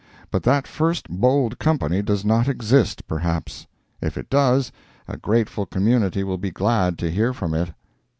But that first bold company does not exist, perhaps; if it does, a grateful community will be glad to hear from it.